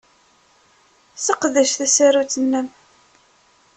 Sseqdec tasarut-nnem.